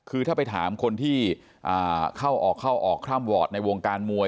คือถ้าไปถามคนที่เข้าออกข้ามวอร์ดในวงการมวย